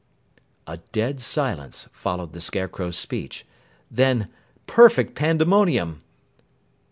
A dead silence followed the Scarecrow's speech then perfect pandemonium.